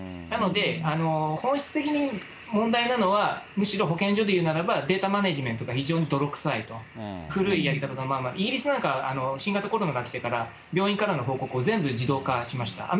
なので、本質的に問題なのはむしろ保健所でいうならば、データマネジメントが非常に泥くさい、古いやり方が、イギリスなんか、新型コロナが来てから、病院からの報告を全部自動化しました。